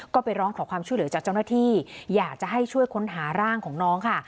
ก็ไปร้องขอความช่วยเหลือจากเจ้าหน้าที่อยากจะให้ช่วยค้นหาร่างของน้องค่ะ